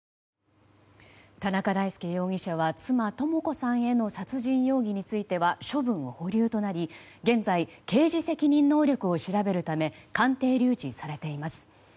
田中大介容疑者は妻・智子さんへの殺人容疑については処分保留となり現在、刑事責任能力を調べるため鑑定留置されています。